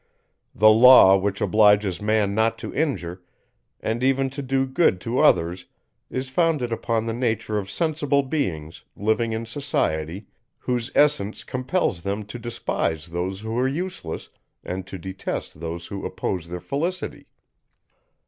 The law, which obliges man not to injure, and even to do good to others, is founded upon the nature of sensible beings, living in society, whose essence compels them to despise those who are useless, and to detest those who oppose their felicity.